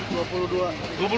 berapa banyak pak